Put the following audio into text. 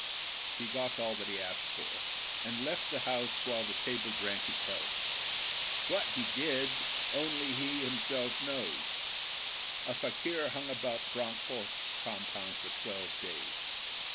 He got all that he asked for, and left the house while the table drank his health. What he did only he himself knows. A fakir hung about Bronckhorst's compound for twelve days.